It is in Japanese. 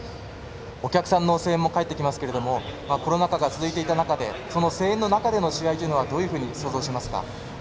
お客さんの声援も帰ってきますがコロナ禍が続いていた中で声援の中の試合というのはどういうふうに想像しますか。